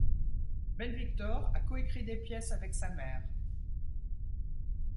Ben-Victor a coécrit des pièces avec sa mère.